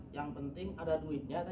yang penting ada duitnya